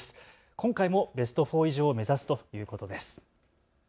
今回もベスト４以上を目指すということです。